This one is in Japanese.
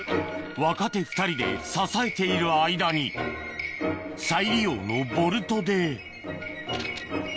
若手２人で支えている間に再利用のボルトでＯＫ。